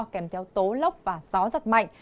kèm theo tố lốc và gió giật mạnh